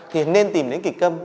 thì nên tìm đến kịch câm